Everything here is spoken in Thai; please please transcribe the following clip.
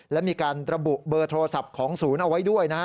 และมีการระบุเบอร์โทรศัพท์ของศูนย์เอาไว้ด้วยนะฮะ